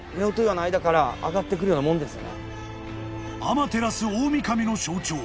［天照大御神の象徴